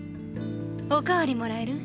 おかわりもらえる？